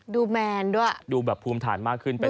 แมนด้วยดูแบบภูมิฐานมากขึ้น